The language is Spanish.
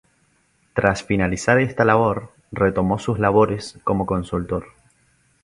Tras finalizar esta labor retomó sus labores como consultor.